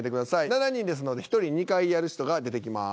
７人ですので１人２回やる人が出てきます。